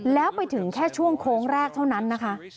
แล้วไปถึงแค่ช่วงโค้งแรกเท่านั้นนะคะ